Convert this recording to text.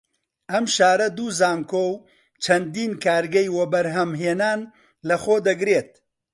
ئەم شارە دوو زانکۆ و چەندین کارگەی وەبەرهەم هێنان لە خۆ دەگرێت